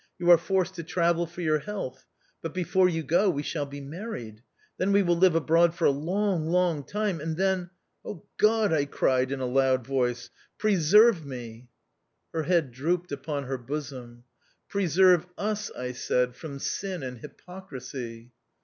You are forced to travel for your health ; but before you go we shall be married. Then we will live abroad for a Ions;, long time ; and then "" God !" I cried in a loud voice, "pre serve me !" Her head drooped upon her bosom. " Preserve us," I said, " from sin and hypocrisy."